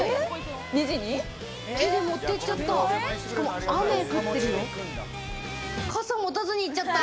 手で持ってっちゃった。